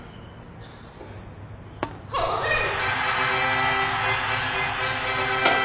ホームラン！